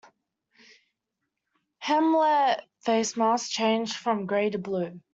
Helmet facemasks changed from gray to blue.